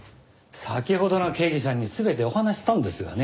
先ほどの刑事さんに全てお話ししたんですがね。